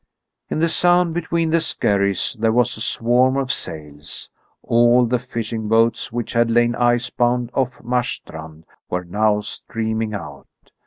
In the sound between the skerries there was a swarm of sails. All the fishing boats which had lain icebound off Marstrand were now streaming out.